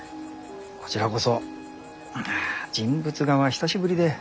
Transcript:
こちらこそあ人物画は久しぶりで。